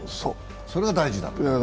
それが大事だと。